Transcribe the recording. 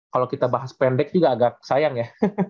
kalau kita bahas pendek juga agak sayang ya